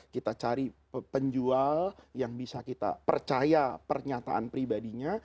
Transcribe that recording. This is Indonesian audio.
kita cari penjual yang bisa kita percaya pernyataan pribadinya